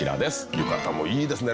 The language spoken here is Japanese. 浴衣もいいですね